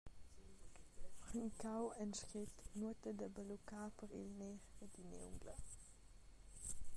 Francau, en scret, nuota da balluccar per il ner dad ina ungla.